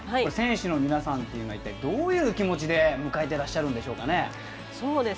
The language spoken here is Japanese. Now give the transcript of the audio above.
選手の皆さんっていうのはどういう気持ちで迎えてらっしゃるんでしょうかね。